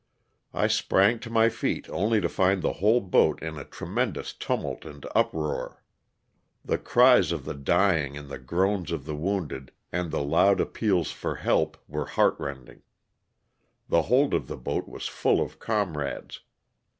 I sprang to my feet only to find the whole boat in a tremendous tumult and uproar. The cries of the dying and the groans of the wounded, and the loud appeals for help, were heartrending. The hold of the boat was full of comrades.